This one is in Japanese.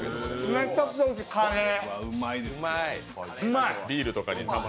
めちゃくちゃおいしいカレー。